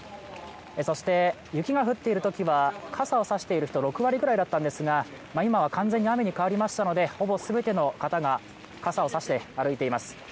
そして雪が降っているときは傘を差している人６割ぐらいだったんですが、今は完全に雨に変わりましたので、ほぼ全ての方が傘を差して歩いています。